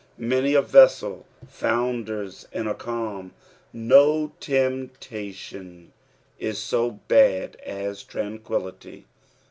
Many a vessel founders in a calm. No temptation is so bad as tranquillity.